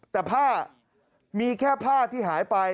แต่ผ้ามีแค่ผ้าที่หายไป